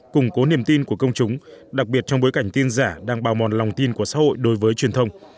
củng cố niềm tin của công chúng đặc biệt trong bối cảnh tin giả đang bào mòn lòng tin của xã hội đối với truyền thông